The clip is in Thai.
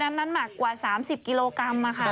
นั้นมากกว่าสามสิบกิโลกรัมอ่ะค่ะ